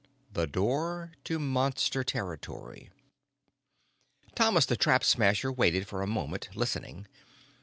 The door to Monster territory. Thomas the Trap Smasher waited for a moment, listening.